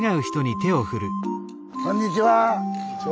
こんにちは。